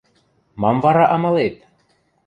«Мам вара амалет?!